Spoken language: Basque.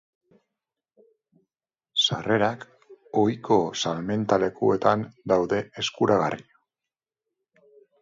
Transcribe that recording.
Sarrerak ohiko salmenta lekuetan daude eskuragarri.